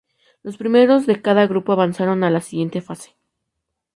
Los primeros de cada grupo avanzaron a la siguiente fase.